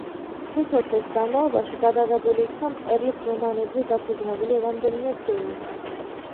სიცოცხლის განმავლობაში გადაღებული იქნა მწერლის რომანებზე დაფუძნებული რამდენიმე ფილმი.